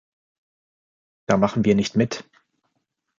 Da machen wir nicht mit.